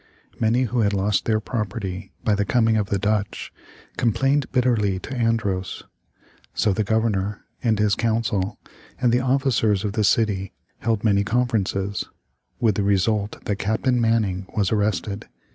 Many who had lost their property by the coming of the Dutch, complained bitterly to Andros. So the Governor, and his council, and the officers of the city held many conferences, with the result that Captain Manning was arrested.